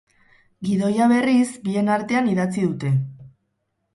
Gidoia, berriz, bien artean idatzi dute.